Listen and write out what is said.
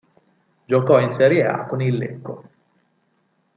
Giocò in Serie A con il Lecco.